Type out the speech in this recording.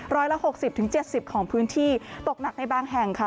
ร้อยละ๖๐๗๐ของพื้นที่ตกหนักในบางแห่งค่ะ